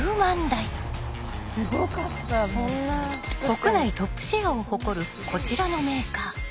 国内トップシェアを誇るこちらのメーカー。